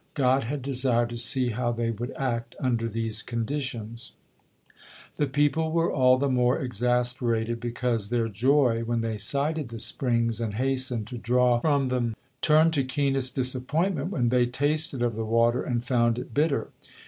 God had desired to see how they would act under these conditions. The people were all the more exasperated because their joy, when they sighted the springs and hastened to draw from the, turned to keenest disappointment when they tasted of the water and found it bitter.